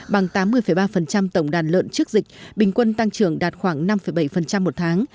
bằng tám mươi ba tổng đàn lợn trước dịch bình quân tăng trưởng đạt khoảng năm bảy một tháng